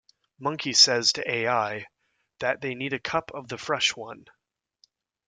Monkey says to Al that they need a cup of the "Fresh" one.